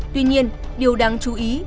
tuy nhiên điều đáng chú ý